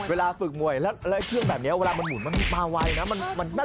เวลามันหมุนมาไวนะมันน่าจะไวกว่าคนน่ะ